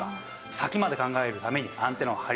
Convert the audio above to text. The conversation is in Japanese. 先まで考えるためにアンテナを張り続ける。